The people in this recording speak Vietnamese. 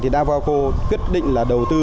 thì dabaco quyết định là đầu tư